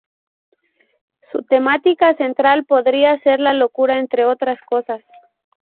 Su temática central podría ser la locura entre otras cosas.